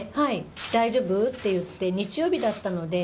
大丈夫？と言って日曜日だったので。